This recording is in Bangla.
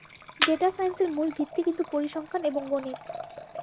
ডেটা সাইন্সের মূল ভিত্তি কিন্তু পরিসংখ্যান এবং গনিত।